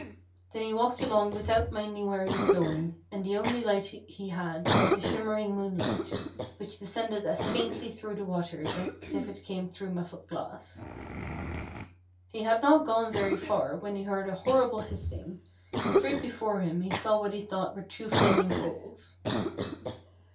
Then he walked along without minding where he was go ing, and the only light he had was the shimmer ing moonlight, which descended as faintly through the waters as if it came through muffled glass. He had not gone very far when he heard a horrible hissing, and straight before him he saw what he thought were two flaming coals.